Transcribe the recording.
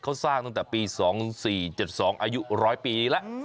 เขาสร้างตั้งแต่ปี๒๔๗๒อายุ๑๐๐ปีแล้ว